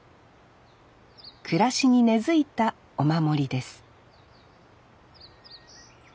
暮らしに根づいたお守りです